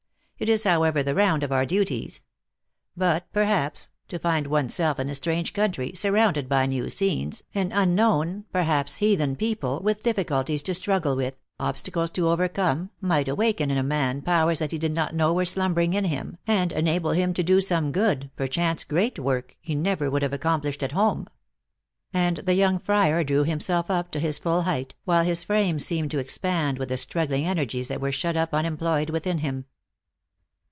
It is, however, the round of our duties. But, perhaps, to find one s self in a strange country, surrounded by new scene?, an un known, perhaps heathen people, with difficulties to struggle with, obstacles to overcome, might awaken THE ACTRESS IN HIGH LIFE. 145 in a man powers that he did not know were slumber ing in him, and enable him to do some good, per chance great work, he never would have accomplished at home." And the young friar drew himself up to his full height, while his frame seemed to expand with the struggling energies that were shut up unem ployed within him.